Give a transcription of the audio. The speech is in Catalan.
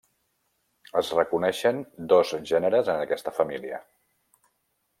Es reconeixen dos gèneres en aquesta família.